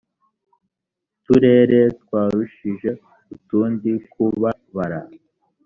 turere twarushije utundi kubabara